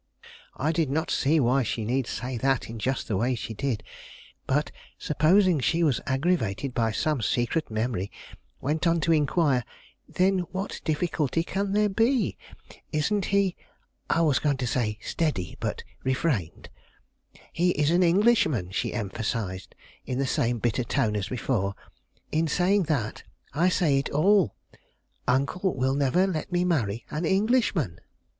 I did not see why she need say that in just the way she did, but, supposing she was aggravated by some secret memory, went on to inquire: "Then what difficulty can there be? Isn't he " I was going to say steady, but refrained. "He is an Englishman," she emphasized in the same bitter tone as before. "In saying that, I say it all. Uncle will never let me marry an Englishman."